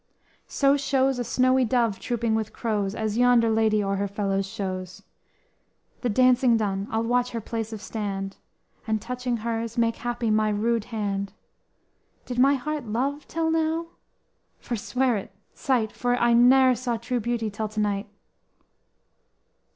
So shows a snowy dove trooping with crows, As yonder lady o'er her fellows shows. The dancing done, I'll watch her place of stand, And, touching hers, make happy my rude hand, Did my heart love till now? Forswear it, sight, For I ne'er saw true beauty till to night!"